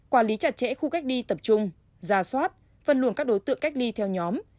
quản lý chặt chẽ khu cách ly tập trung giả soát phân luồng các đối tượng cách ly theo nhóm